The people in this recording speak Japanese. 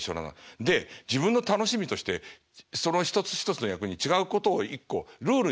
で自分の楽しみとしてその一つ一つの役に違うことを一個ルールにするんですよ。